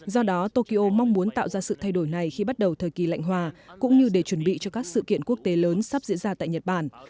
do đó tokyo mong muốn tạo ra sự thay đổi này khi bắt đầu thời kỳ lạnh hòa cũng như để chuẩn bị cho các sự kiện quốc tế lớn sắp diễn ra tại nhật bản